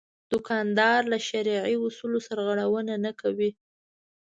دوکاندار له شرعي اصولو سرغړونه نه کوي.